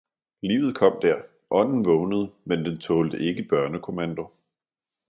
Livet kom der, ånden vågnede, men den tålte ikke børnekommando.